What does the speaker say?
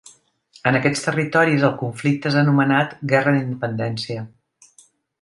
En aquests territoris el conflicte és anomenat Guerra d'independència.